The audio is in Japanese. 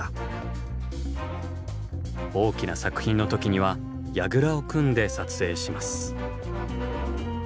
大きな作品の時にはやぐらを組んで撮影します。